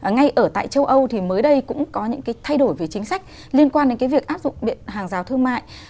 ngay ở tại châu âu thì mới đây cũng có những cái thay đổi về chính sách liên quan đến cái việc áp dụng hàng rào thương mại